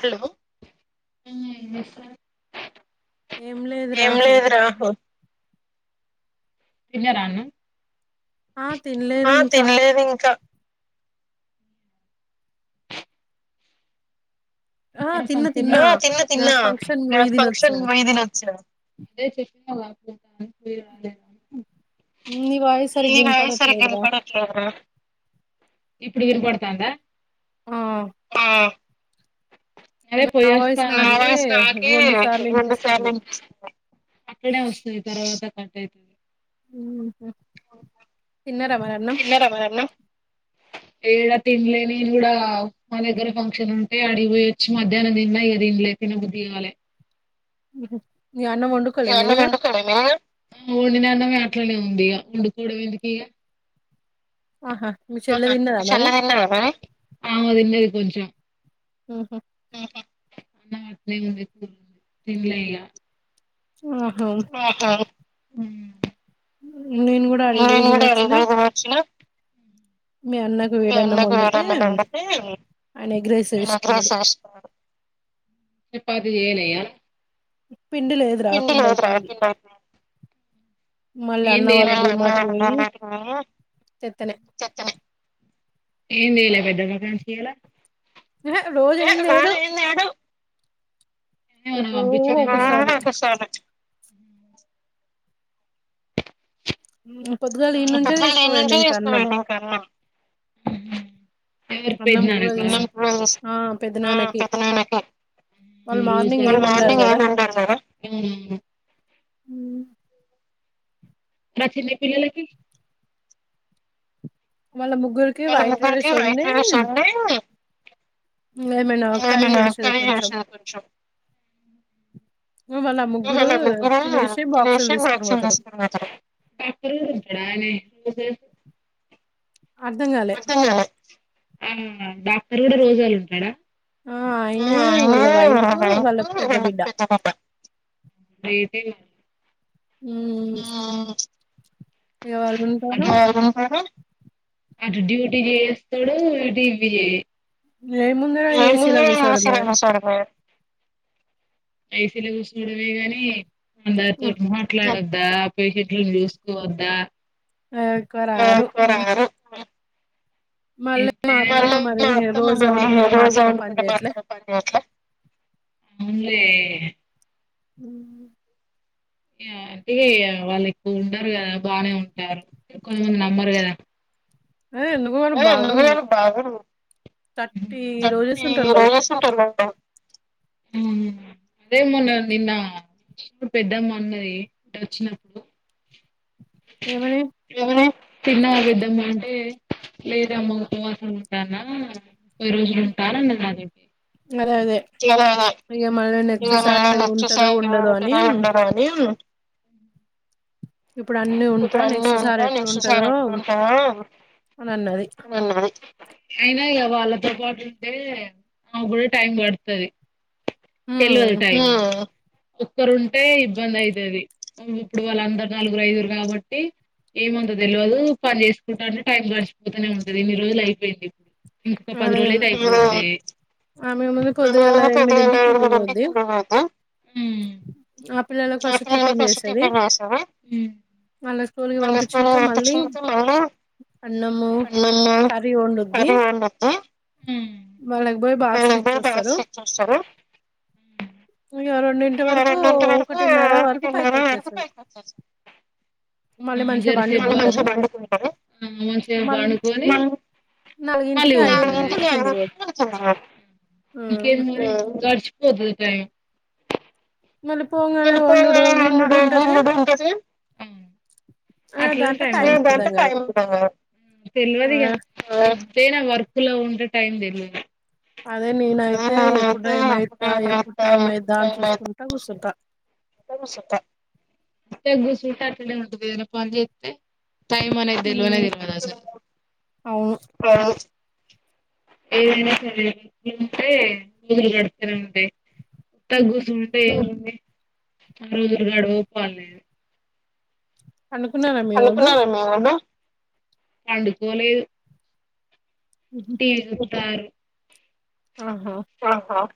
hello ఏం లేదు రాహు తిన్నరాన్నం ఆ తినలేదు ఇంకా తిన్న తిన్నా నా ఫంక్షన్ వెయ్యదిన వచ్చిన అదే చెప్పనవాపుాల ఏ వయిస్ సరి వినపడట్లేరా ఇప్పుడు వినపడుతు తిందా ఆ అరే పోయిేస్తా నా వయిస్ నాక రెడుసార్లుపి అక్కడే వస్తుంది తర్వాత కట్ అవుతుది తిన్నర మరి అన్నం ఏడా తింలే నేను కూడా మా దగ్గర ఫంక్షన్ ఉంటే అడిగిపోయొచ్చి మధ్యాహ్నం తిన్నా అయ తింలే తిన బుద్ధిగాాల ఉహ ఏ అన్నం మడుకుడ మీ వండినాన్నమే అట్లనే ఉంది ఇ వండుకోవడం ఎందుకు ఇక ది ఆమదిన్నది కొంచం హహ అన్న వాట్నే ఉంది తినలే ఇక ఆహా నేను కూడా అడిగిపోయదిిన వచ్చిన ఎన్నకు వేడంమని అండిే క్రాస్ చేస్తు చెపాతి జయనేయర్ ఇగ పిండి లేదురా పిండి అయిపోయింది మళ్ళీ అన్నవాళ్ళు డిమాటికి పోయి తేత్తలే ఏం చేయాల పెద్ద పకాం చెయాల ఏ రోజు ఏం తేడు ఎప్పుడో ఒకసారి పత్రనా నేను నుంచ తీసుకుమండి ఇంకన్నాం [unintelligible] మోర్నింగ్ ఏనాంట కదా మ చిన్న పిల్లలాకి మళ ముగ్గురికి వైట్ రైస్ వండి ఇమ కనీ చేష కొంచం ఇ నా ముగ్గురు దినేశి భక్షంద దస్కొని పొతారు పాప తింటడాయినే అర్ధం కాలే ఆ డాక్టర్ కూడా రోజలు ఉంటాడా ఆ ఆయన వాళ్ళ వైఫ్ వాళ్ళ పెద్ద బిడ్డ లేమ ఈ ఇవాళ ఉంటార అటు డ్యూటీ చేస్తాడు [unintelligible] లేకుంటే ఆషాఢం మాసం కి పోయి ఐసీ లో చూసుకోవడమే గాని [unintelligible] ద్దా పేషంట్లను చూసుకోవద్దా ఆకుర ఆరువుకురా మళ్ళ మా అత్తమ్మ మళ్ళ రోజు వండుకుంటే మాత్రమే పని అట్లా అవునులే మ్మ్ అంటే వాళ్ళు ఎక్కువ ఉండరు కదా బాగనే ఉంటారు కొంతమంది నమ్మరు కదా ఆ ఎందుకు మరి బాగుంది థర్టీ రోజెస్ ఉంటారు వాళ్ళు మ్మ్ అదే మోన్నా, నిన్న పెద్దమ్మ అన్నది ఇంట వచ్చినప్పుడు ఏమని తిన్నవా పెద్దమ్మ అంటే లేదమ్మ ఉపవాసం ఉంటన్నా ముప్పై రోజులు ఉంటార [unintelligible] అదే అదే ఇగ మా ఇగ మేడం నచ్చేసరికి [unintelligible] ఇప్పుడు అన్ని ఉంటానే చూసారా ఎట్లుంటదో నన్నది అయినా ఇక వాళ్ళతో పాటు ఉంటేనే అప్పుడే టైం పడుతది తెల్వదు తెల్లు ఒక్కరుంటే ఇబ్బంది అయితది ఇప్పుడు వాళ్ళ అందరు నలుగురు, ఐదుగురు కాబట్టి ఏమంత తెల్వదు పని చేసుకుంటాంటే టైం గడిచిపోతూనే ఉంటది ఎన్ని రోజులు అయిపోయింది ఇప్పుడు ఇంకో పది రోజులయితే అయిపోతది ఆమె ముందు కొద్దిగాల ఎనిమిదింటికి కిందికి పోద్ది ఆ పిల్లల కోసం టిఫిన్ చేసేది మళ్ళీ స్కూల్ కి పంపించినాక మళ్ళీ అన్నము, కరి వండుద్ది వాళ్ళకు పోయి బాక్సులు ఇచ్చొస్తారు [unintelligible] రెండింటి వరకు ఒకటిన్నర వరకు పైకి వచ్చేస్తది ఒక నిమిషం పడుకుంటాను మళ్ళీ నాలుగింటికి లేవాలి [unintelligible] [unintelligible] టైమ్ మళ్ళీ పొంగానే వండుడు గిన్నెడు ఉంటది అట్లా [inaudible] టైమ్ ఉంటది కదా తెల్వదు కదా [unintelligible] వర్క్ లో ఉంటే టైం తెలియదు అదే నేనైతే ఎప్పుడు టైం అయిద్దా ఎప్పుడు టైం అయిద్దా అని చూసుకుంటా కూసుంట [unintelligible] టైమ్ అనేది తెల్వనే తెల్వదు అసలు ఏదైనా వింటే [unintelligible] గడుత్తది అంతే తగ్గుసుంటే ఆ రోజు [unintelligible] పనుకున్నవేమో కదా పండుకోలేదు టీ కూడా తాగరు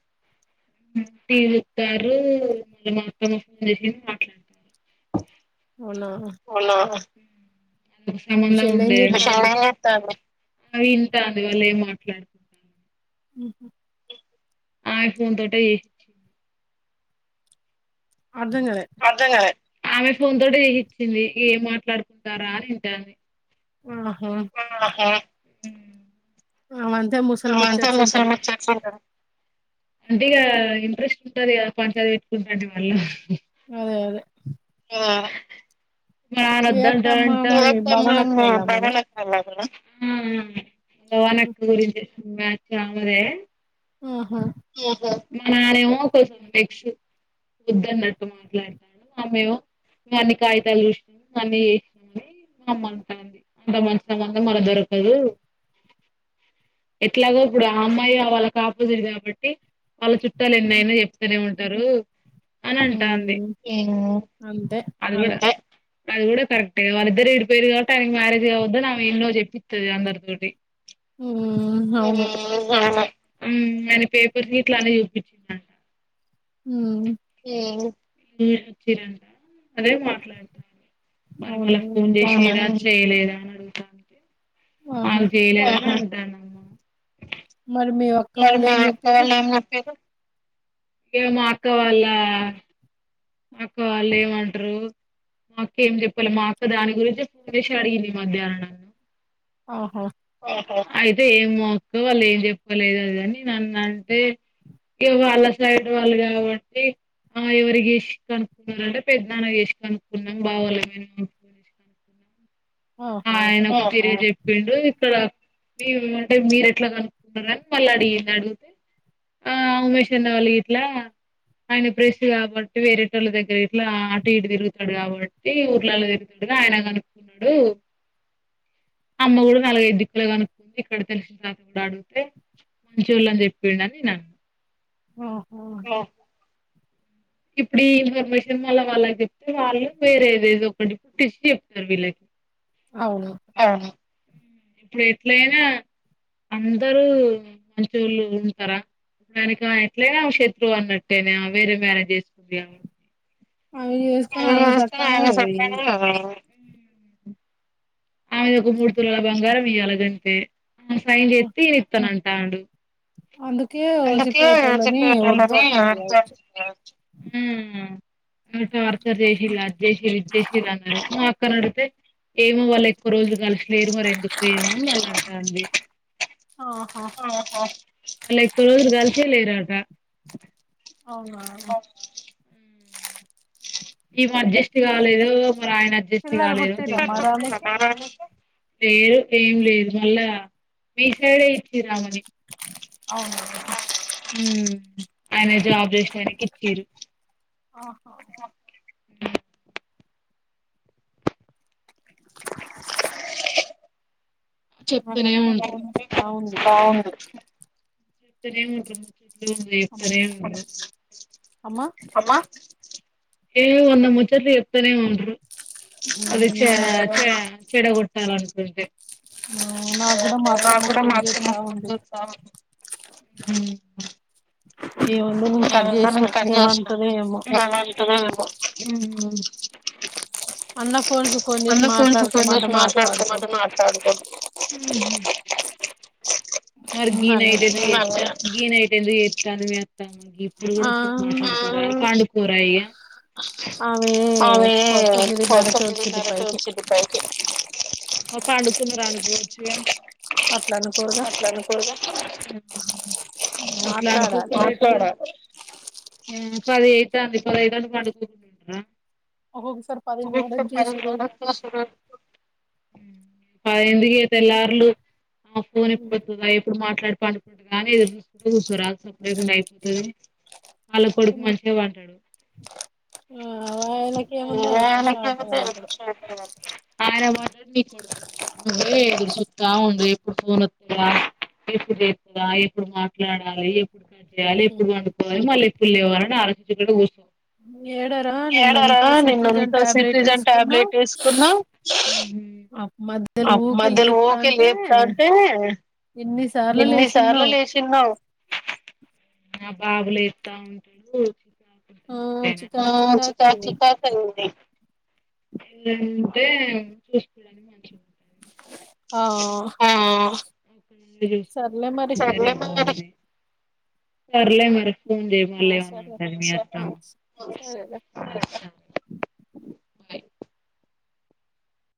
తీస్తారు మళ్ళ మొత్తము ఫోన్ చేసి మాట్లాడతారు అవునా [unintelligible] దాని వల్ల ఏమో అట్ల మ్మ్ ఆమే ఫోన్ తోటే అర్థం కాలే ఆమె ఫోన్ తోటి చెసిచింది ఏం మాట్లాడుకుంటారా అని వింటంది ఆహా అ ఊ ఆ మంతె మసండా చర్చ్ ఇంటరు అంటిగా ఇంట్రెస్ట్ ఉంటది పంచాయతీ చదివి పెట్టుకుంటంటే వాళ్లు అదే అదే మా నాన్న ఓదాంటంటే [unintelligible] ఆ లోవానక్ గురి మచ్ అమదే ఆహ ఓహో మా నానేమో కోసం టెక్సు ఒద్దనట్టు మాట్లాడుతండు అమ్మేమో నువ్ అన్ని కాగితాలు చూసినవ్ అన్ని చేసినవని అమంటంది అంత మంచి సమందం మల్ల దొరకదు ఎట్లాగో ఇప్పుడు ఆ అమ్మాయి ఆ వాళ్ళకి ఆపోజిట్ కాబట్టి ట్టి వాళ్ళ చుట్టాలు ఎన్నయినా చెప్తనే ఉంటారు అని అంటాంది ఏమో చ అది కూడా అది కూడా కరెక్ట్ గద వాళ్ళిద్దరు విడిపోయిరు కాబట్టి ఆయనకు మ్యారేజ్ కావద్దని ఆమె ఎన్నో చెప్పిస్తది అందరి తోటి ఓ వామ్మో ఊ అని పేపర్ గిట్ల అని చూపించిండట ఊ ఇగ కిరణ్ కా అనే మాట్లాడతంది మరి మళ్ళీ ఫోన్ చేసిదా చేయలేదా అని అడగుటానికి ఆయన ఫెయిల్ ఏ అని అంటనము మరి మా అక్క వాళ్ళు ఏం జెప్పిరు ఏమో అక్క వాళ్ళ అక్క వాళ్ళు ఏమంట్రూ మాకేం చెప్పలే మాక్క దాని గురించి ఫోన్ చేసి అడిగింది మధ్యాహ్నం నను ఆహో అయితే ఏం మక్క వాళ్ళు ఏం చెప్పలేదండీ అది నన్ను అంటే ఇక వాళ్ళ సైడ్ వాళ్ళు కాబట్టి ఆ ఎవరి చేసి కనుక్కున్నరంటే పెద్ద నాన్న చేసి కనుక్కున్నం బావల [unintelligible] ఆయనకు కిరీటెడ్ ప్పిండు ఇక్కడ మీ అంటే మీరు ఎట్లా కనుకుంటన్నారని మళ్ళీ అడిగి అడుగుతే ఆ ఉమేష అన్న వాళ్ళగీట్లా ఆయన ప్రెస్ట్ కాబట్టి వేరేటోళ్ళ దగ్గర ఇట్లా అటు ఇటు తిరుగుతాడు కాబట్టి ఊర్లలో తిరుతడు ఇగ ఆయన కనుకున్నడు అమ్మ కూడా నలగైదు దిక్కులు కనుక్కుంది ఇక్కడ తెలిసిన తాత కూడా అడిగితే మంచోళ్ళని చెప్పిండని నేను అన్న ఇప్పుడు ఈ ఇన్ఫర్మేషన్ మళ్ళ వాళ్ళ చెప్తే వాళ్ళు వేరేదేదో ఒకటి పుట్టించి చెప్తారు వీళ్ళకి అవును ఇప్పుడు ఎట్లయినా అందరూ మంచోళ్లు ఉంటరా గనుక ఎట్లయినా ఆమె శత్రువు అన్నట్టేన వేరే మ్యారేజ్ చేసుకుంది కాబట్టి ఆమె చేసుకొని ఆమె సక్కన ఆమె ఓయింది ఊహు ఆమెదొక మూడు తులాల బంగారం ఇయ్యాల గంతే ఆమె సైన్ జేత్తే ఈన ఇత్తనంటాండు అందుకే చెప్పి వెట్టండని ఇగ అద్దు అంటున్నడు ఊ ఆ టార్చర్ చేసిలు అద్ చేసిలు ఇది చేసిలు అన్నారు మా అక్కన అడితే ఏమో వాళ్ళ ఒకరోజు కలిసిలేరు మరి ఎందుకు ఏమో అని మళ్ల అంటంది ఆహా అలెయ్ ఒకరోజు కలిసే లేరట ఈము అడ్జస్ట్ కాలేదు మరి ఆయన అడ్జస్ట్ కాలేదు లేదు ఏం లేదు మళ్ళా మీ సైడే ఇచ్చి ఆమెని హు ఆయన జాబ్ చేసడానికి ఇచ్చిరు ఆ చెప్తేనే ఉ బాగుండు ఎ ఉంట ఉంది ఎత్తనే ఉంట [unintelligible] అమ్మా ఏ ఏమన్లే ముచ్చట్లు చెప్తానే ఉంటారు అది చ చ చెడగొట్టాలనుకుంటే నా కూడా మాత్ర [unintelligible] ఉ ఏందో నేను కట్ చేసిన [unintelligible] హ్మ్ అనకూడదు కొన్ని మాట్లాడుకో అద మాట్లాడుకో [unintelligible] గి నైట్ ఎందుచేతంది మీఅత్త ఇప్పుడు కూడా ఫోన్ మాట్లాడుత పాండుకోరయ్య ఆమె [unintelligible] వచ్చిట పాయికి ఓ పండుకున్న ఆళ్లు చ్చ అట్లా అనుకోరుగా మాట్లాడాలే పదిహఐతాంది పదైతంది పడుకు మోసవ ప స [unintelligible] ఎందుక తెల్లార్లు ఆ ఫోన్ ఎప్పుడు ఎప్పుడు మాట్లాడు పడుకున్నా అని ఏదో చెప్పి కూసరాలు సప్పుడు చేయక పోతుది వాళ్ళ కొడుకు మంచిగా బంటాడు ఆరా మాడు నీ కొడుకు మాడు [unintelligible] ఏందో చూస్తోంది బావుంది ఎప్పుడు తోన వతుందా ఎప్పు లేతుదా ఎప్పుడు మాట్లాడాలి ఎప్పుడు చేయాలి ఎప్పుడు వడుకోవాల మళ్ళీ ఎప్పుడు లేవాలని ఆలోచించకుం వస్తం ఏడారా నిన్న ఇంత సిటజన్ టాబ్లెట్ వేసుకున్నా అప్పు మధ్యలో ఊరికే లేపుతా ఉంటే ఎన్ని సార్లు లేచిన్ను నా బాబులు ఎతా ఉంటాడు [unintelligible] చత చుతత ఉంది ఏంటే చూసుకోడానికి మంచిగా ఆ చదివే ముంగటికి సరలే మరి ఫోన్ చేయ మళ్ళ ఏమన్నా ఉ సార్ మీ వస్తాము అ